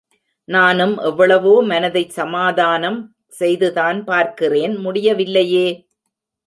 நானும் எவ்வளவோ மனதைச் சமாதான்ம் செய்துதான் பார்க்கிறேன் முடியவில்லையே?